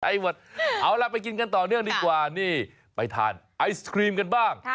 ใช่ใช่ใช้หมดเอาละไปกินกันต่อนี่ก็ดีกว่านี่ไปทานไอศครีมกันบ้าง